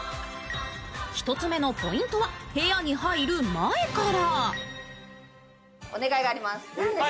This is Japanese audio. １つ目のポイントは部屋に入る前から。